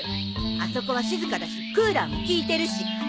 あそこは静かだしクーラーも効いてるし。